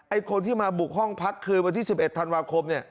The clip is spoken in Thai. คนที่มาบุกห้องพักคืนวันที่๑๑ธันวาคมเนี่ย